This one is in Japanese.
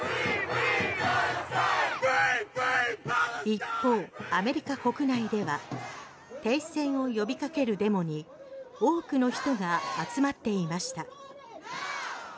一方、アメリカ国内では停戦を呼びかけるデモに多くの人が集まっていました。